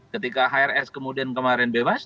ketika hrs kemudian kemarin bebas